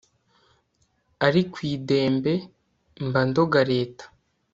ari kw'idembe mba ndoga leta